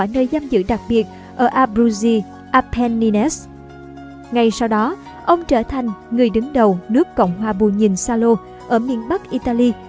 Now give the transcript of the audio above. ngay sau đó ông trở thành người đứng đầu nước cộng hòa bù nhìn xa lô ở miền bắc italy